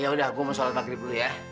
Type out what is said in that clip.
ya udah aku mau sholat maghrib dulu ya